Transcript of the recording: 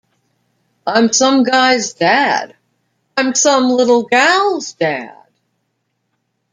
I'm some guy's dad; I'm some little gal's dad.